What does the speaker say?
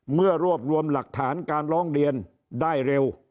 เมื่อรวบรวมหลักฐานการร้องเรียนได้เร็ว